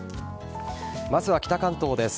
まずは北関東です。